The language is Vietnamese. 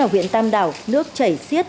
ở huyện tam đảo nước chảy xiết